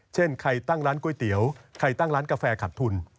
เช่นใครตั้งร้านก๋วยเตี๋ยวใครตั้งร้านกาแฟขัดทุน